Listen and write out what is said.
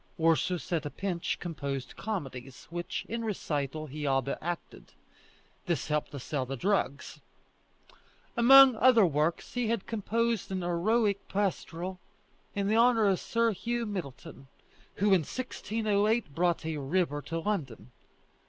Ursus at a pinch composed comedies, which, in recital, he all but acted; this helped to sell the drugs. Among other works, he had composed an heroic pastoral in honour of Sir Hugh Middleton, who in 1608 brought a river to London.